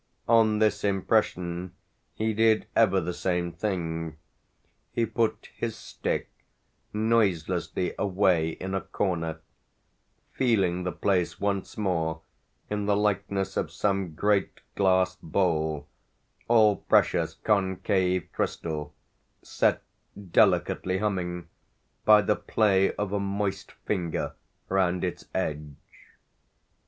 On this impression he did ever the same thing; he put his stick noiselessly away in a corner feeling the place once more in the likeness of some great glass bowl, all precious concave crystal, set delicately humming by the play of a moist finger round its edge.